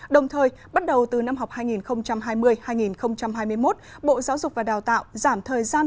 đồng thời bắt đầu từ năm học hai nghìn hai mươi hai nghìn hai mươi một bộ giáo dục và đào tạo giảm thời gian